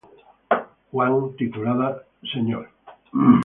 Wang, titulada "Mr.